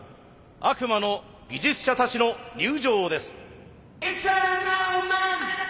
悪魔の技術者たちの入場です。